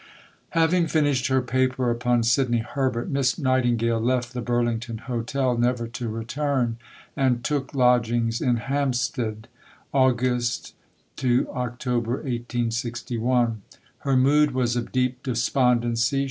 Having finished her Paper upon Sidney Herbert, Miss Nightingale left the Burlington Hotel, never to return, and took lodgings in Hampstead (Aug. Oct. 1861). Her mood was of deep despondency.